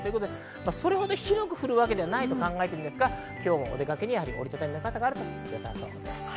それほど広く降るわけではないと考えていますが、今日、お出かけには折り畳みの傘があるとよさそうです。